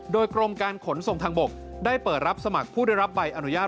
โดยกรมการขนส่งทางบกได้เปิดรับสมัครผู้ได้รับใบอนุญาต